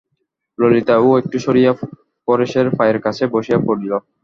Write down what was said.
ললিতাও একটু সরিয়া পরেশের পায়ের কাছে বসিয়া পড়িল।